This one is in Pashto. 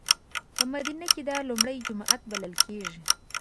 په مدینه کې دا لومړی جومات بللی کېږي.